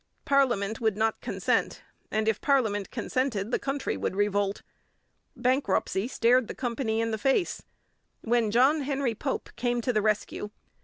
Parliament would not consent, and if parliament consented the country would revolt. Bankruptcy stared the company in the face when John Henry Pope came to the rescue.